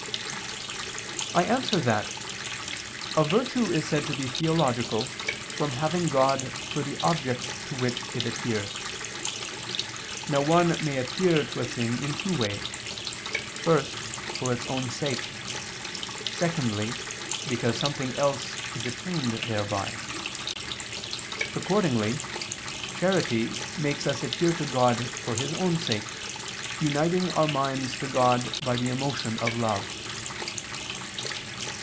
I answer that, A virtue is said to be theological from having God for the object to which it adheres. Now one may adhere to a thing in two ways: first, for its own sake; secondly, because something else is attained thereby. Accordingly charity makes us adhere to God for His own sake, uniting our minds to God by the emotion of love.